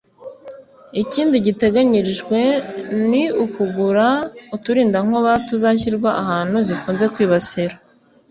Ikindi giteganyijwe ni ukugura uturindankuba tuzashyirwa ahantu zikunze kwibasira